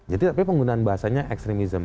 jadi tapi penggunaan bahasanya extremism